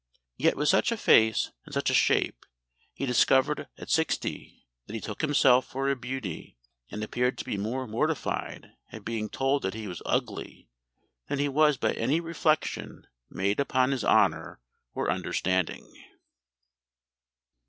Yet with such a face and such a shape, he discovered at sixty that he took himself for a beauty, and appeared to be more mortified at being told that he was ugly, than he was by any reflection made upon his honour or understanding.